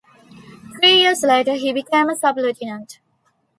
Three years later he became a Sub Lieutenant.